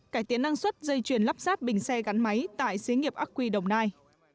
cải tiến năng suất dây chuyền lắp sát bình xe gắn máy tại xế nghiệp aqui đồng nai